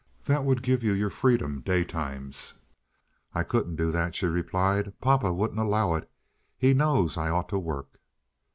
"That would give you your freedom day times." "I couldn't do that," she replied. "Papa wouldn't allow it. He knows I ought to work."